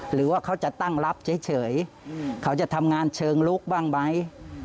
หรือว่าเขาจะตั้งรับเฉยเขาจะทำงานเชิงลุกบ้างไหม